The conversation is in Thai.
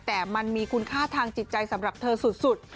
แต่มันมีคุณค่าทางจิตใจสำหรับเธอสุด